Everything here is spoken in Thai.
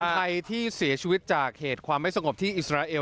ใครที่เสียชีวิตจากเหตุความไม่สงบที่อิสราเอล